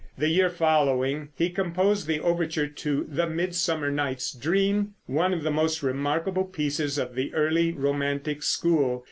The year following he composed the overture to "The Midsummer Night's Dream," one of the most remarkable pieces of the early romantic school.